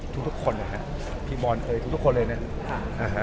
ทุกทุกคนนะฮะพี่บอลเคยทุกทุกคนเลยนะ